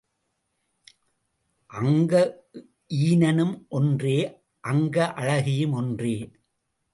அங்க ஈனனும் ஒன்றே அங்க அழகியும் ஒன்றே.